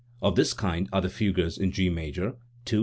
Of this kind are the fugues in G major (II, No.